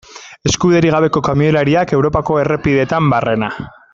Eskubiderik gabeko kamioilariak Europako errepideetan barrena.